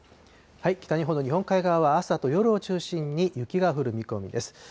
北日本の日本海側は朝と夜を中心に雪が降る見込みです。